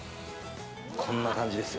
こんな感じですよ。